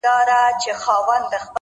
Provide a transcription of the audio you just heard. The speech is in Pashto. هره ناکامي د بل پیل پیغام دی’